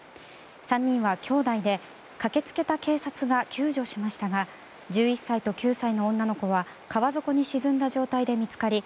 ３人はきょうだいで駆け付けた警察が救助しましたが１１歳と９歳の女の子は川底に沈んだ状態で見つかり